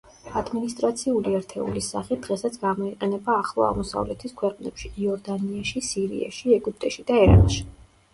ადმინისტრაციული ერთეულის სახით დღესაც გამოიყენება ახლო აღმოსავლეთის ქვეყნებში: იორდანიაში, სირიაში, ეგვიპტეში და ერაყში.